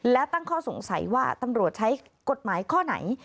และตั้งข้อสงสัยว่าตำรวจใช้กฎหมายข้อไหน